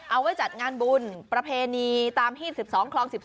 เอาไว้จัดงานบุญประเพณีตามฮีบ๑๒คลอง๑๒